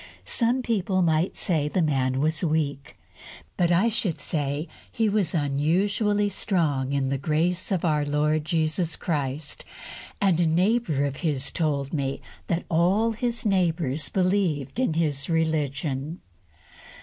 Some people might say the man was weak, but I should say he was unusually "strong in the grace of our Lord Jesus Christ," and a neighbour of his told me that all his neighbours believed in his religion.